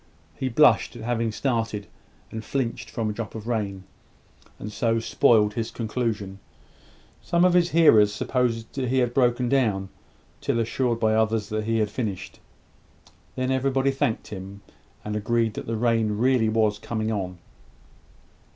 He blushed at having started and flinched from a drop of rain, and so spoiled his conclusion. Some of his hearers supposed he had broken down, till assured by others that he had finished. Then everybody thanked him, and agreed that the rain was really coming on.